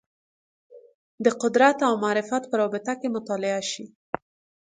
د قدرت او معرفت په رابطه کې مطالعه شي